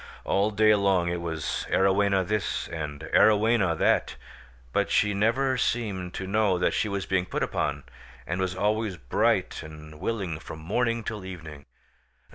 All day long it was Arowhena this, and Arowhena that; but she never seemed to know that she was being put upon, and was always bright and willing from morning till evening.